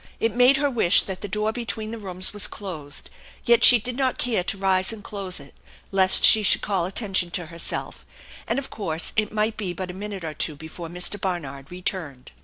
It made her wish that the door between the rooms was closed; yet she did not care to rise and close it lest she should call attention to herself, and of course it might be but a minute or two before Mr. Barnard returned.